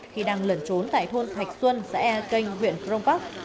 khi đang lần trốn tại thôn thạch xuân xã e kênh huyện phương pháp